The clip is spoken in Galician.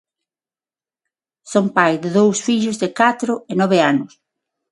Son pai de dous fillos de catro e nove anos.